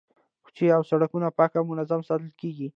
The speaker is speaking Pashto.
کوڅې او سړکونه پاک او منظم ساتل کیږي.